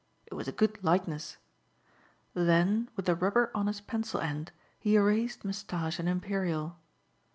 It was a good likeness. Then with the rubber on his pencil end he erased moustache and imperial.